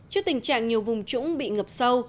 trước tình trạng nhiều vùng trũng bị ngập sâu